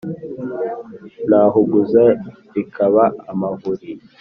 Nahuguza bikaba amahuri